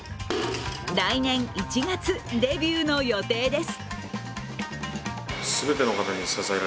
来年１月、デビューの予定です。